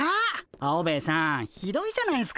アオベエさんひどいじゃないっすか。